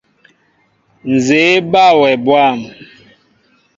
Nzѐe eba wɛ bwȃm.